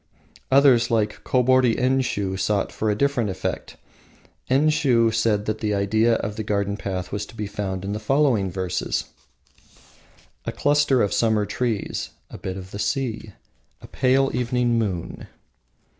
Others, like Kobori Enshiu, sought for a different effect. Enshiu said the idea of the garden path was to be found in the following verses: "A cluster of summer trees, A bit of the sea, A pale evening moon."